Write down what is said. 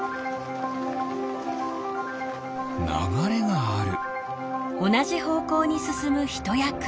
ながれがある。